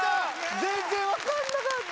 全然分かんなかった。